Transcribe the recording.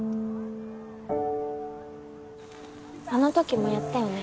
あのときもやったよね